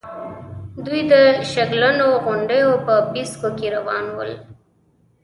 دوی د شګلنو غونډېو په پيڅکو کې روان ول.